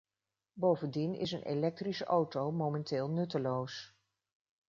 Bovendien is een elektrische auto momenteel nutteloos.